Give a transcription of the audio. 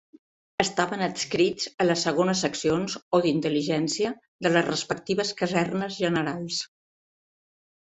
Estaven adscrits a les Segones Seccions, o d'Intel·ligència, de les respectives Casernes Generals.